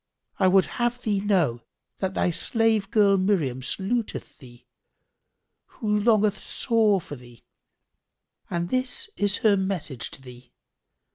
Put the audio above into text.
I would have thee know that thy slavegirl Miriam saluteth thee, who longeth sore for thee; and this is her message to thee.